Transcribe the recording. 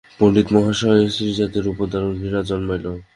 পণ্ডিতমহাশয়ের স্ত্রীজাতির উপর দারুণ ঘৃণা জন্মাইল।